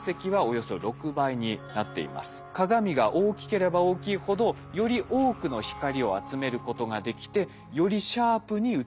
鏡が大きければ大きいほどより多くの光を集めることができてよりシャープに映し出すことができるそうなんです。